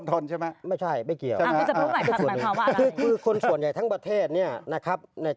ถามกับส่วนใหญ่ยังไงครับ